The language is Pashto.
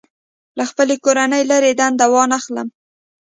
له خپلې کورنۍ لرې دنده وانخلم.